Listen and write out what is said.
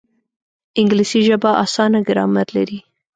انګلیسي ژبه اسانه ګرامر لري